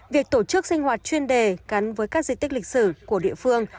việc tổ chức sinh hoạt chuyên đề gắn với các di tích lịch sử của địa phương